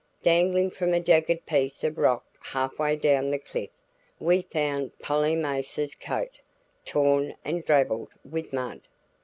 Dangling from a jagged piece of rock half way down the cliff, we found Polly Mathers's coat, torn and drabbled with mud.